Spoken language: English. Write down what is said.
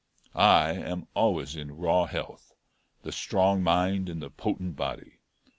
I am always in raw health the strong mind in the potent body.